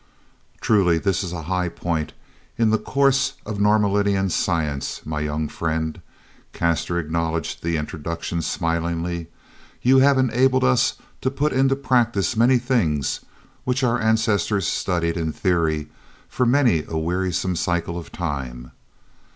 "Truly, this is a high point in the course of Norlaminian science, my young friend," Caslor acknowledged the introduction smilingly. "You have enabled us to put into practice many things which our ancestors studied in theory for many a wearisome cycle of time."